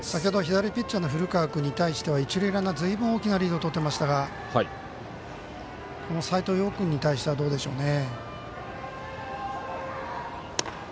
左ピッチャーの古川君に対しては一塁側ずいぶん大きなリードを取ってましたが斎藤蓉君に対してはどうでしょうね。